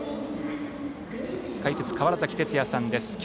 解説、川原崎哲也さんです。